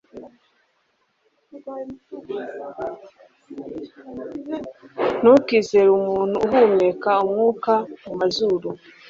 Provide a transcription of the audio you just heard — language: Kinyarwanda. ntukizere umuntu uhumeka umwuka mumazuru